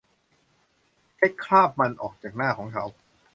เช็ดคราบมันออกจากหน้าของเขา